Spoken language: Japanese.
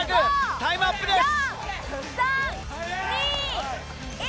タイムアップです！